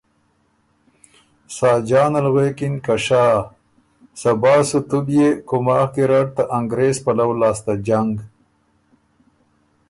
ساجان غوېکِن که شا! صبا سُو تُو بيې کُوماخ ګیرډ ته انګرېز پلؤ لاسته جنګ